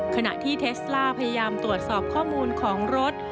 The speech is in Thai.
ขณะที่เทสล่าพยายามตรวจสอบข้อมูลของรถ